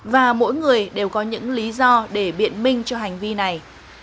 và mỗi người đều có những lý do để biện minh cho hành vi này